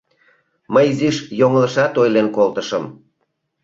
Мый изиш йоҥылышат ойлен колтышым...